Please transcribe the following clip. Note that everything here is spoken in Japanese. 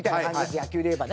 野球で言えばね。